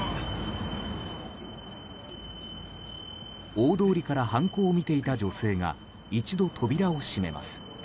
大通りから犯行を見ていた女性が一度、扉を閉めます。